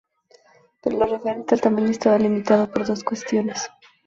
Pero lo referente al tamaño estaba limitado por dos cuestiones.